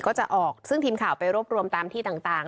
ก็จะออกซึ่งทีมข่าวไปรวบรวมตามที่ต่าง